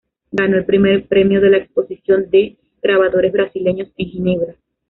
Ganó el primer premio de la exposición de "Grabadores Brasileños" en Ginebra.